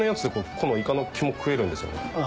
このイカの肝食えるんですよね。